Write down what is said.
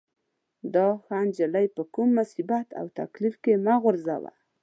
دا ښه نجلۍ په کوم مصیبت او تکلیف کې مه غورځوه.